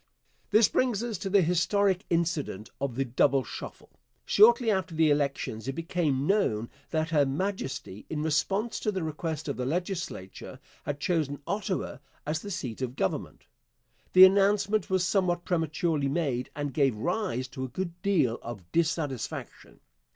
This brings us to the historic incident of the 'Double Shuffle.' Shortly after the elections it became known that Her Majesty, in response to the request of the legislature, had chosen Ottawa as the seat of government. The announcement was somewhat prematurely made and gave rise to a good deal of dissatisfaction.